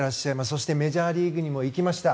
そしてメジャーリーグにも行きました。